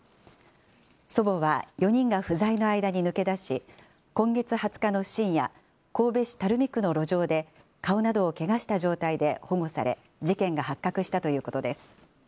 祖母は４人が不在の間に抜け出し、今月２０日の深夜、神戸市垂水区の路上で、顔などをけがした状態で保護され、事件が発覚したということです。